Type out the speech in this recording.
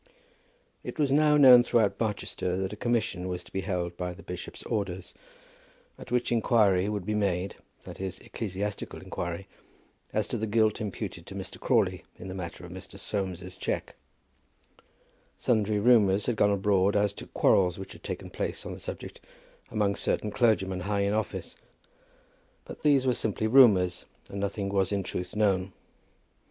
It was now known throughout Barchester that a commission was to be held by the bishop's orders, at which inquiry would be made, that is, ecclesiastical inquiry, as to the guilt imputed to Mr. Crawley in the matter of Mr. Soames's cheque. Sundry rumours had gone abroad as to quarrels which had taken place on the subject among certain clergymen high in office; but these were simply rumours, and nothing was in truth known.